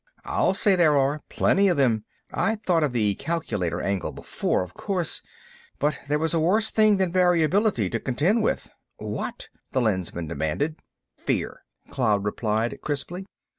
"I'll say there are; plenty of them. I'd thought of the calculator angle before, of course, but there was a worse thing than variability to contend with...." "What?" the Lensman demanded. "Fear," Cloud replied, crisply.